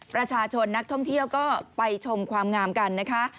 ประชาชนนักท่องเที่ยวก็ไปชมความงามกันนะคะ